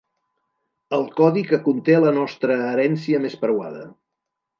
El codi que conté la nostra herència més preuada.